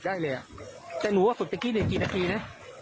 ได้เลยอ่ะแต่หนูว่าฝึกไปกี้หนึ่งกี่นาทีนะ